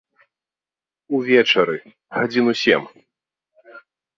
Увечары, гадзін у сем.